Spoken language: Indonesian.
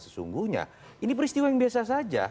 sesungguhnya ini peristiwa yang biasa saja